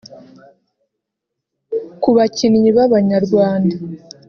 Ku bakinnyi b’Abanyarwanda